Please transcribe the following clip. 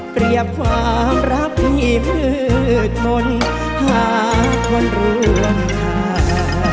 เปรียบความรับที่มืดมนต์หากวันรวมทางไฟบีนี่